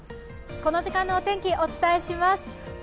この時間のお天気をお伝えします。